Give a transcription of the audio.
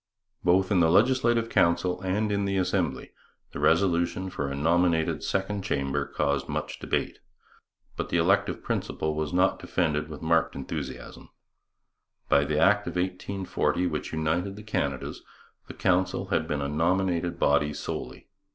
Both in the Legislative Council and in the Assembly the resolution for a nominated second chamber caused much debate. But the elective principle was not defended with marked enthusiasm. By the Act of 1840 which united the Canadas the Council had been a nominated body solely.